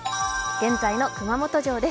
現在の熊本城です